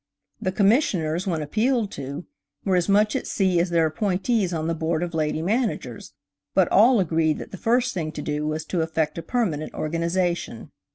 The Commissioners, when appealed to, were as much at sea as their appointees on the Board of Lady Managers, but all agreed that the first thing to do was to effect a permanent organization.